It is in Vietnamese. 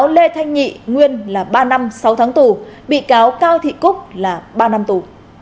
là ba năm sáu tháng tù bị cáo cao thị cúc là ba năm tù